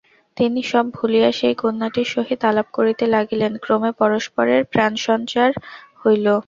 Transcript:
তিনি সব ভুলিয়া সেই কন্যাটির সহিত আলাপ করিতে লাগিলেন, ক্রমে পরস্পরের প্রণয়সঞ্চার হইল।